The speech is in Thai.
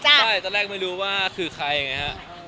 อเจมส์ใช่ตอนแรกไม่รู้ว่าคือใครอย่างเงี้ยครับ